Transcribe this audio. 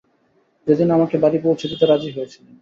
যেদিন আমাকে বাড়ি পৌঁছে দিতে রাজি হয়েছিলেন।